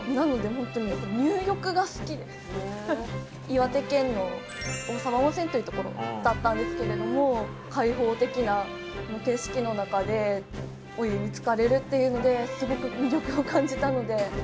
岩手県の大沢温泉というところだったんですけれども開放的な景色の中でお湯につかれるっていうのですごく魅力を感じたので。